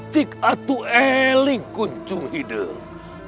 cik atu elik gunjung hidung